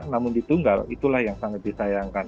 namun di tunggal itulah yang sangat disayangkan